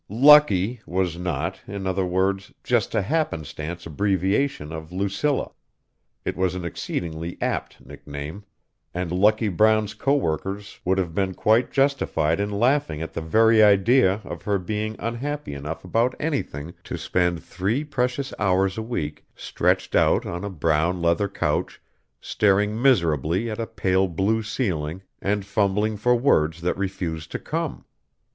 "Lucky" was not, in other words, just a happenstance abbreviation of "Lucilla" it was an exceedingly apt nickname. And Lucky Brown's co workers would have been quite justified in laughing at the very idea of her being unhappy enough about anything to spend three precious hours a week stretched out on a brown leather couch staring miserably at a pale blue ceiling and fumbling for words that refused to come.